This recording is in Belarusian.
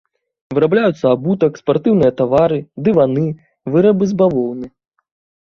Вырабляюцца абутак, спартыўныя тавары, дываны, вырабы з бавоўны.